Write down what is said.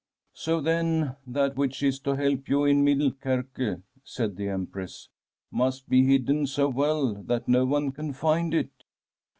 * So, then, that which is to help you in Middel kerke,' said the Empress, * must be hidden so well that no one can find it?'